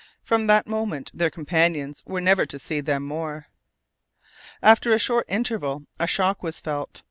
From that moment their companions were never to see them more. After a short interval a shock was felt.